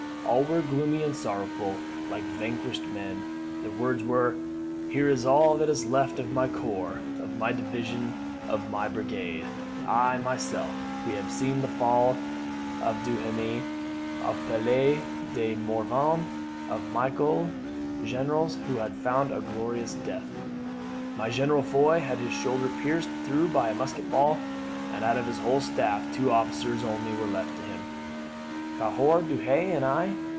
All were gloomy and sorrowful, like vanquished men. Their words were, 'Here is all that is left of my corps, of my division, of my brigade. I, myself.' We had seen the fall of Duhesme, of Pelet de Morvan, of Michel generals who had found a glorious death. My General, Foy, had his shoulder pierced through by a musket ball: and out of his whole staff two officers only were left to him, Cahour Duhay and I.